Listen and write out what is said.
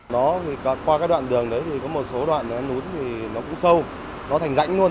nó đi như kiểu nó qua các đoạn đường đấy thì có một số đoạn lún thì nó cũng sâu nó thành rãnh luôn